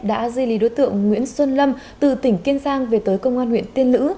đã di lý đối tượng nguyễn xuân lâm từ tỉnh kiên giang về tới công an huyện tiên lữ